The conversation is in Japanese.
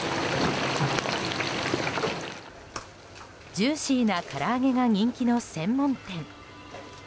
ジューシーなから揚げが人気の専門店。